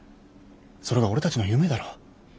それが俺たちの夢だろ。